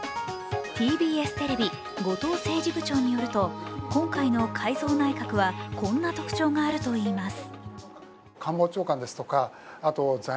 ＴＢＳテレビ・後藤政治部長によると、今回の改造内閣はこんな特徴があるといいます。